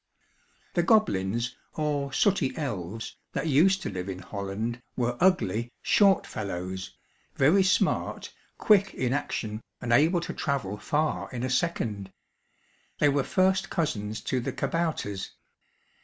The goblins, or sooty elves, that used to live in Holland, were ugly, short fellows, very smart, quick in action and able to travel far in a second. They were first cousins to the kabouters.